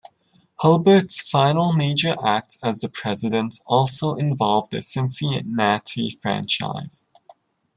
Hulbert's final major act as president also involved the Cincinnati franchise.